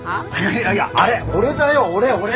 いやいやあれ俺だよ俺俺。